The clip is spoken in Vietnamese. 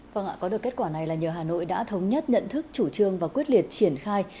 vâng ạ có được kết quả này là nhờ hà nội đã thống nhất nhận thức chủ trương và quyết liệt triển khai